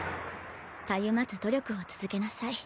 「たゆまず努力を続けなさい。